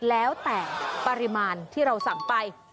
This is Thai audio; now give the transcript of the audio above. แล้วแต่ปริมาณที่เราสั่งไป